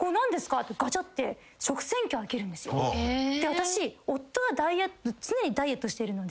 私夫は常にダイエットしてるので。